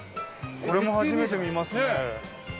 これも初めて見ますね。